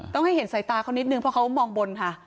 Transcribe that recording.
ต้องให้เห็นสายตาเขานิดนึงเพราะเขามองบนค่ะ